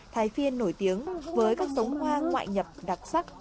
thái phiên nổi tiếng với các giống hoa ngoại nhập đặc sắc